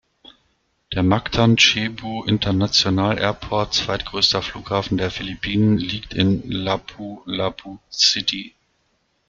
Der Mactan-Cebu International Airport, zweitgrößter Flughafen der Philippinen, liegt in Lapu-Lapu City.